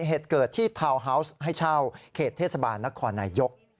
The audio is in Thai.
เหตุเกิดที่ทาวน์ฮาวส์ให้เช่าเขตเทศบาลนครนายก